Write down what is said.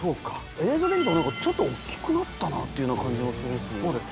映像で見るとちょっと大っきくなったなっていうような感じもするし。